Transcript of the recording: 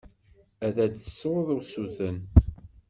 Ad d-tessuḍ usuten.